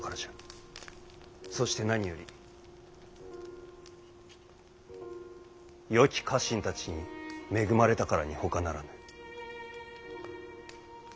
そして何よりよき家臣たちに恵まれたからにほかならぬ。